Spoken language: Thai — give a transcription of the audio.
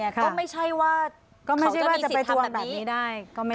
ก็ไม่ใช่ว่าเขาจะมีสิทธิ์ทำแบบนี้